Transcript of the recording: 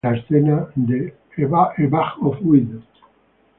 La escena de "A Bag of Weed".